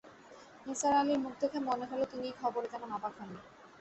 নিসার আলির মুখ দেখে মনে হল, তিনি এই খবরে তেমন অবাক হন নি।